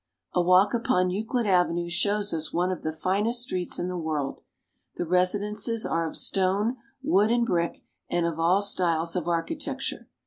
A walk upon Euclid Avenue shows us one of the finest streets in the world. The residences are of stone, wood, and brick, and of all styles of. architecture.